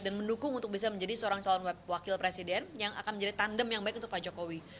dan mendukung untuk bisa menjadi seorang calon wakil presiden yang akan menjadi tandem yang baik untuk pak jokowi